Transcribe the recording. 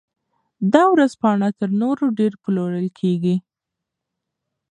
دا ورځپاڼه تر نورو ډېر پلورل کیږي.